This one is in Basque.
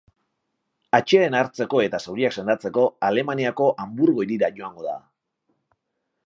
Atsedena hartzeko eta zauriak sendatzeko, Alemaniako Hanburgo hirira joango da.